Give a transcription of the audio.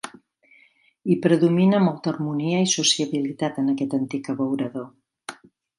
Hi predomina molta harmonia i sociabilitat en aquest antic abeurador .